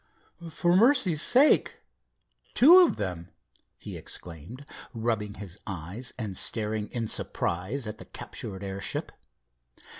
"For mercy's sake, two of them!" he exclaimed, rubbing his eyes and staring in surprise at the captured airship.